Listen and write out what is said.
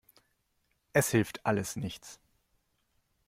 Es hilft alles nichts.